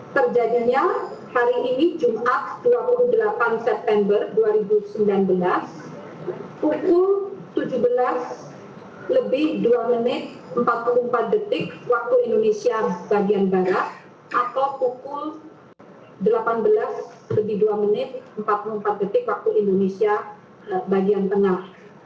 terjadinya hari ini jumat dua puluh delapan september dua ribu sembilan belas pukul tujuh belas lebih dua menit empat puluh empat detik waktu indonesia bagian barat atau pukul delapan belas lebih dua menit empat puluh empat detik waktu indonesia bagian tengah